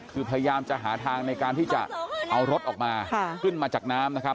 คือพยายามจะหาทางในการที่จะเอารถออกมาขึ้นมาจากน้ำนะครับ